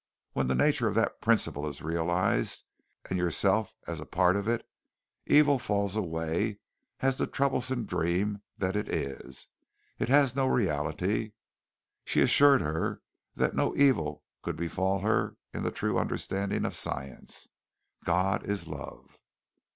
When the nature of that principle is realized and yourself as a part of it, evil falls away as the troublesome dream that it is. It has no reality." She assured her that no evil could befall her in the true understanding of Science. God is love.